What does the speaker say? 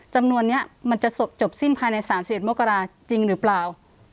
จำนวนนี้มันจะจบสิ้นภายใน๓๑มกราจริงหรือเปล่า